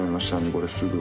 これすぐ。